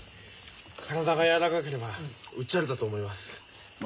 体が柔かければうっちゃれたと思います。